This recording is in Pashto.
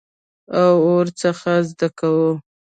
او ورڅخه زده کوو.